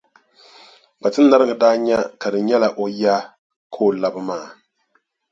Kpatinariŋga daa nya ka di nyɛla o ya ka o labi maa.